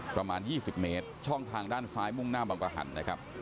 ประมาณ๒๐เมตรช่องทางด้านซ้ายมุ่งหน้าบังกระหันนะครับ